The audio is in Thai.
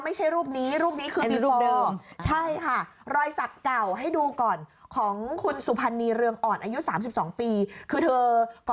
ไม่ใช่รูปนี้รูปนี้เป็นรูปเดิม